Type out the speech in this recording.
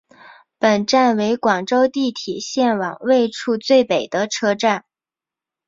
本站为广州地铁线网位处最北的车站。